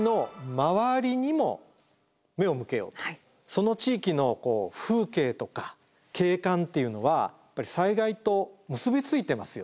その地域の風景とか景観っていうのはやっぱり災害と結び付いてますよね。